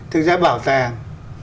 thực ra bảo tàng